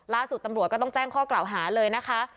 ล่าสุดตำรวจก็ต้องแจ้งข้อกล่าวหาเลยนะคะ